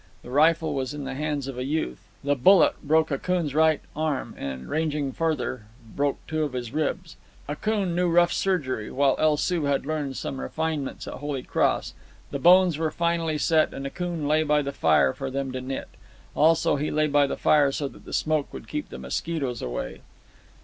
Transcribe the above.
The rifle was in the hands of a youth. The bullet broke Akoon's right arm and, ranging farther, broke two of his ribs. Akoon knew rough surgery, while El Soo had learned some refinements at Holy Cross. The bones were finally set, and Akoon lay by the fire for them to knit. Also, he lay by the fire so that the smoke would keep the mosquitoes away.